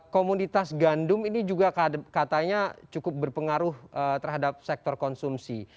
komoditas gandum ini juga katanya cukup berpengaruh terhadap sektor konsumsi